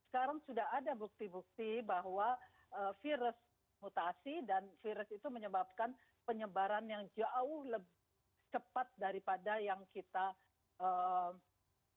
sekarang sudah ada bukti bukti bahwa virus mutasi dan virus itu menyebabkan penyebaran yang jauh lebih cepat daripada yang kita miliki